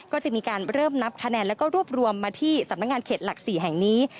ก็จะมีการเริ่มนับคะแนนแล้วก็รวบรวมมาที่สำนักงานเขตหลัก๔แห่งนี้